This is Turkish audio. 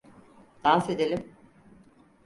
Dans edelim.